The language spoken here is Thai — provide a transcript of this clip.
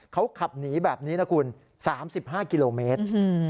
เขาขับหนีแบบนี้นะคุณ๓๕กิโลเมตร